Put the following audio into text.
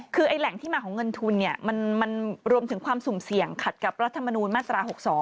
คือไอ้แหล่งที่มาของเงินทุนมันรวมถึงความสุ่มเสี่ยงขัดกับรัฐมนูลมาตรา๖๒